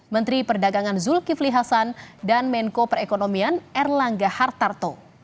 menteri perdagangan zulkifli hasan dan menko perekonomian erlangga hartarto